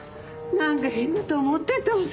何か変だと思ってた！